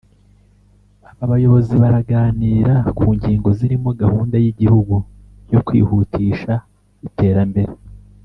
Aba bayobozi baraganira ku ngingo zirimo gahunda y’igihugu yo kwihutisha iterambere